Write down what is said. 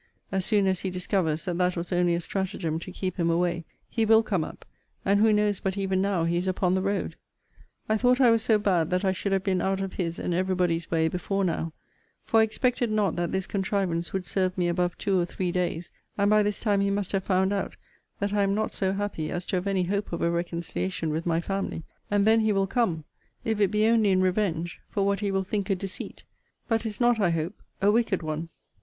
As soon as he discovers that that was only a stratagem to keep him away, he will come up, and who knows but even now he is upon the road? I thought I was so bad that I should have been out of his and every body's way before now; for I expected not that this contrivance would serve me above two or three days; and by this time he must have found out that I am not so happy as to have any hope of a reconciliation with my family; and then he will come, if it be only in revenge for what he will think a deceit, but is not, I hope, a wicked one.